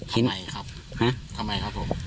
ทำไมครับ